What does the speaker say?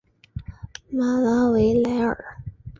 马拉维莱尔。